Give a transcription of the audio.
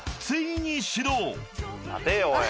待てよおい。